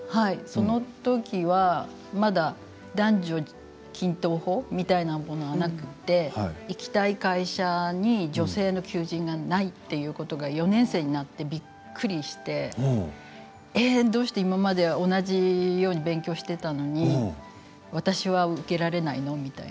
その時は、まだ男女均等法みたいなものはなくて行きたい会社に女性の求人がないということは４年生になってびっくりしてどうして今まで同じように勉強してきたのに私は受けられないの？